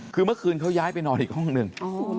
คือเมื่อคืนเขาย้ายไปนอนอีกห้องหนึ่ง